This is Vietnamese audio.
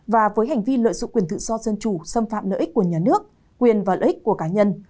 và với hành vi lợi dụng quyền tự do dân chủ xâm phạm lợi ích của nhà nước quyền và lợi ích của cá nhân